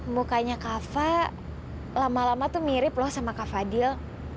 mukanya kava lama lama tuh mirip loh sama kak fadil